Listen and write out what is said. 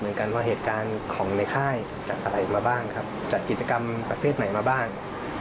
เหมือนกันว่าเหตุการณ์ของในค่ายจัดอะไรมาบ้างครับจัดกิจกรรมประเภทไหนมาบ้าง